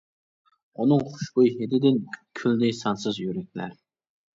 ئۇنىڭ خۇشبۇي ھىدىدىن، كۈلدى سانسىز يۈرەكلەر.